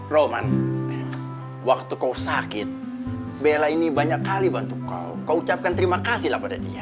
roman waktu kau sakit bella ini banyak kali bantu kau kau ucapkan terima kasih lah pada dia